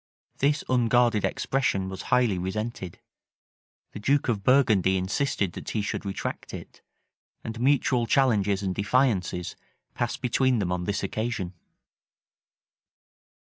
This unguarded expression was highly resented: the duke of Burgundy insisted that he should retract it; and mutual challenges and defiances passed between them on this occasion.